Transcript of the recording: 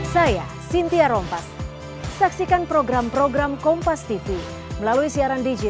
jasa itu penting diisi disi